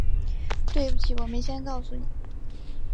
对不起，我没先告诉你